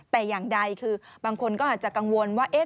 แต่อย่างใดคือบางคนก็อาจจะกังวลว่า